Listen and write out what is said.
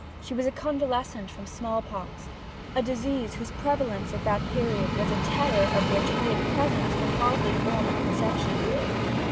She was a convalescent from smallpox a disease whose prevalence at that period was a terror of which we at present can hardly form a conception.